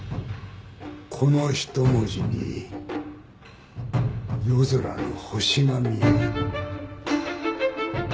この一文字に夜空の星が見える。